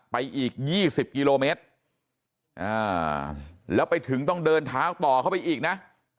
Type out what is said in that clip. ไปอีก๒๐กิโลเมตรแล้วไปถึงต้องเดินเท้าต่อเข้าไปอีกนะ